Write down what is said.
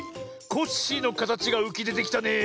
コッシーのかたちがうきでてきたねえ。